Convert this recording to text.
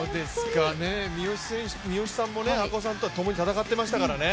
三好さんも赤穂さんとはともに戦っていましたからね。